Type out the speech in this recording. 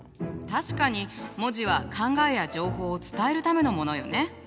確かに文字は考えや情報を伝えるためのものよね。